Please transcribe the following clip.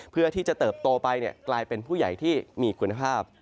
เพื่อที่จะเติบโตไปกลายเป็นผู้ใหญ่ที่มีคุณภาพ